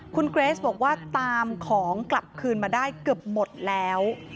คุณเกรสบอกว่าตามของกลับคืนมาได้เกือบหมดแล้ว